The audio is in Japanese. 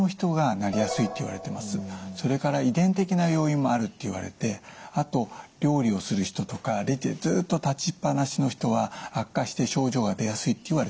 それから遺伝的な要因もあるっていわれてあと料理をする人とかレジでずっと立ちっぱなしの人は悪化して症状が出やすいっていわれています。